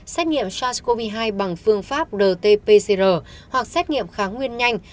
xét nghiệm sars cov hai bằng phương pháp rt pcr hoặc xét nghiệm kháng nguyên nhanh